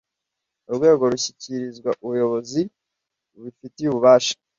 Urwego rushyikirizwa ubuyobozi bubifitiye ububasha